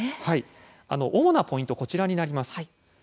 主なポイント、こちらになります。